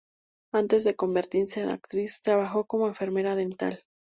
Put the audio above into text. Antes de convertirse en actriz, trabajó como enfermera dental.